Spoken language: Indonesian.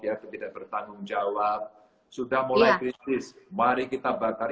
atau tidak bertanggung jawab sudah mulai kritis mari kita bakar